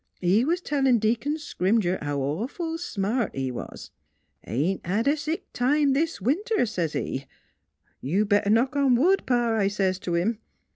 He was tellin' Deacon Scrimger how awful smart he was. * Ain't had a sick time this winter,' s's he. ' You'd better knock on wood, Pa,' I says t' him.